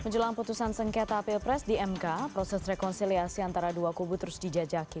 menjelang putusan sengketa pilpres di mk proses rekonsiliasi antara dua kubu terus dijajaki